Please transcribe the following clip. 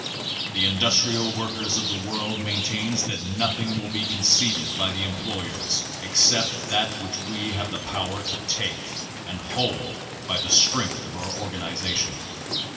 The Industrial Workers of the World maintains that nothing will be conceded by the employers except ) that which we have the power to take and hold by the / strength of our organization.